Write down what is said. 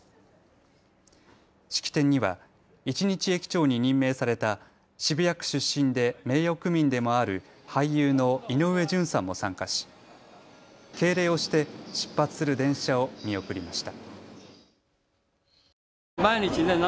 式典には一日駅長に任命された渋谷区出身で名誉区民でもある俳優の井上順さんも参加し敬礼をして出発する電車を見送りました。